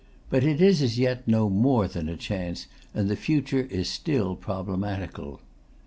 But it is as yet no more than a chance, and the future is still problematical.